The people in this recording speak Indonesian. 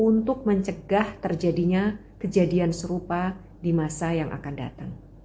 untuk mencegah terjadinya kejadian serupa di masa yang akan datang